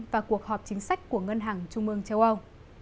và cuộc họp chính sách của ngân hàng trung ương châu âu